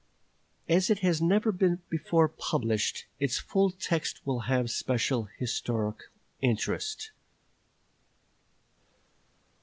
As it has never before been published, its full text will have special historical interest.